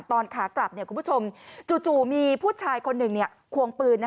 ขากลับคุณผู้ชมจู่มีผู้ชายคนหนึ่งควงปืน